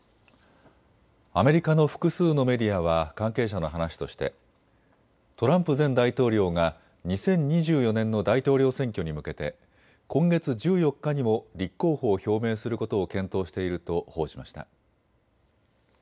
アメリカの複数のメディアは関係者の話としてトランプ前大統領が２０２４年の大統領選挙に向けて今月１４日にも立候補を表明することを検討していると報じました。